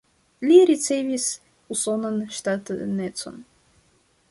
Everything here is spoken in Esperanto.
Li ricevis usonan ŝtatanecon.